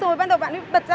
rồi bắt đầu bạn ấy bật ra